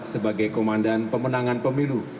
sebagai komandan pemenangan pemilu